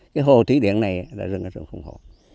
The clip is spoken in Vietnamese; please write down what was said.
cái hồ thủy điện này là rừng phòng hộ